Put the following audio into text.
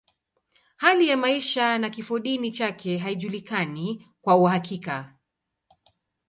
Hali ya maisha na kifodini chake haijulikani kwa uhakika.